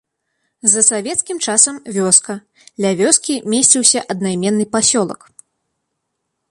За савецкім часам вёска, ля вёскі месціўся аднайменны пасёлак.